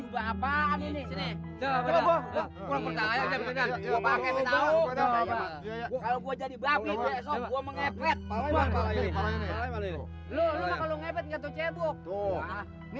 ngebet gak tau cebok